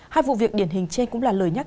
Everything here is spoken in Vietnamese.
hai vụ việc điển hình trên cũng là lời nhắc